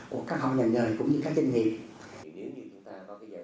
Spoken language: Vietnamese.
của các họ nhà nhờ cũng như các doanh nghiệp